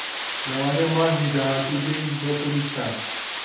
لەوانەیە مانگی داهاتوو بێین بۆ کوردستان.